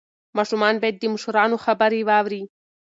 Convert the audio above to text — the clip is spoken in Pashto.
ماشومان باید د مشرانو خبرې واوري.